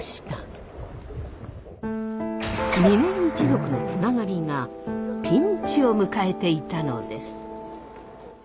嶺井一族のつながりがピンチを迎えていたのです。